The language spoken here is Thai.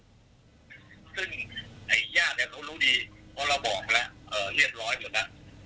ซึ่งไอ้ญาติเนี่ยเขารู้ดีเพราะเราบอกแล้วเรียบร้อยหมดแล้ว